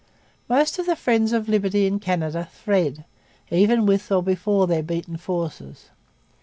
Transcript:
Most of the Friends of Liberty in Canada fled either with or before their beaten forces.